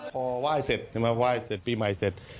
พอไหว่เสร็จไหว่เสร็จปีใหม่เซ็ต